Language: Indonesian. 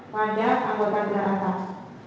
pada anggota belakang atas